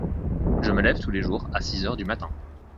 Je me lève tous les jours à six heures du matin.